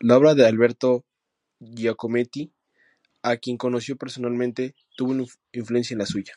La obra de Alberto Giacometti, a quien conoció personalmente, tuvo influencia en la suya.